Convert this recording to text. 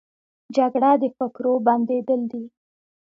جګړه د فکرو بندېدل دي